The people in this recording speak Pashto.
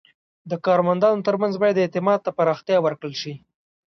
د کارمندانو ترمنځ باید اعتماد ته پراختیا ورکړل شي.